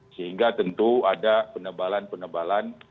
sehingga tentu ada penebalan penebalan